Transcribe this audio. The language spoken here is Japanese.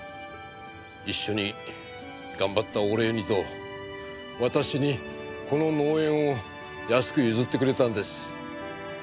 一緒に頑張ったお礼にと私にこの農園を安く譲ってくれたんです。